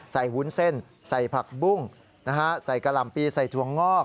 วุ้นเส้นใส่ผักบุ้งใส่กะหล่ำปีใส่ถั่วงอก